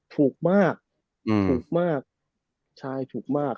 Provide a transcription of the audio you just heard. ถูกมากถูกมากใช่ถูกมาก